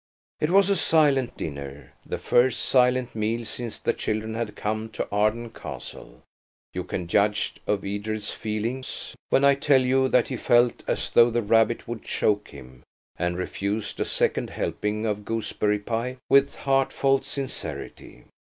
It was a silent dinner–the first silent meal since the children had come to Arden Castle. You can judge of Edred's feelings when I tell you that he felt as though the rabbit would choke him, and refused a second helping of gooseberry pie with heartfelt sincerity.